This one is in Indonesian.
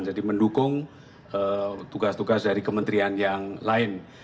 jadi mendukung tugas tugas dari kementerian yang lain